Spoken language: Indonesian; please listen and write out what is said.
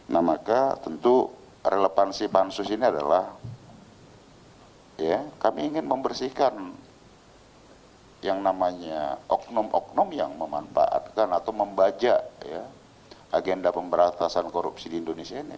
nah maka tentu relevansi pansus ini adalah kami ingin membersihkan yang namanya oknum oknum yang memanfaatkan atau membajak agenda pemberantasan korupsi di indonesia ini